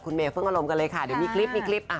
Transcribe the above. คุณเมฟึ่งอารมณ์กันเลยค่ะเดี๋ยวมีคลิป